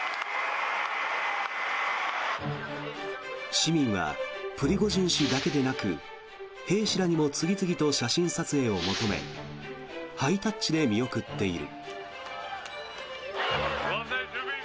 市民はプリゴジン氏だけでなく兵士らにも次々と写真撮影を求めハイタッチで見送っている。